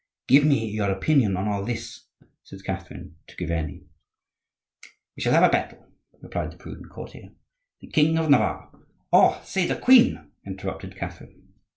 "Give me your opinion on all this," said Catherine to Chiverni. "We shall have a battle," replied the prudent courtier. "The king of Navarre—" "Oh! say the queen," interrupted Catherine.